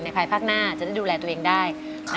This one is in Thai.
ในภายพรรยายภาคหน้าจะดูแลตัวเองได้